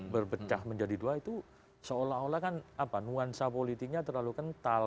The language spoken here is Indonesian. berpecah menjadi dua itu seolah olah kan nuansa politiknya terlalu kental